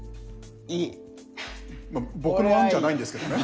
まあ僕の案じゃないんですけどね。